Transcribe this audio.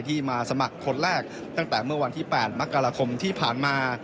มาสมัครคนแรกตั้งแต่เมื่อวันที่๘มกราคมที่ผ่านมา